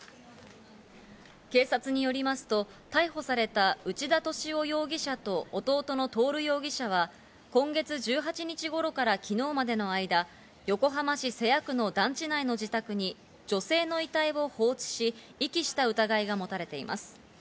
警察によりますと、逮捕された内田敏夫容疑者と弟の徹容疑者は、今月１８日頃から昨日までの間、横浜市瀬谷区の団地内の自宅に女性の遺体を放置し、遺棄した疑いがもたれています。